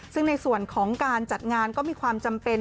ซึ่งในส่วนของการจัดงานก็มีความจำเป็น